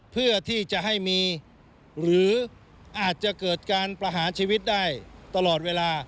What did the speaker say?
เพื่อที่จะให้มีหรืออาจจะเกิดการประหารชีวิตได้ตลอดเวลา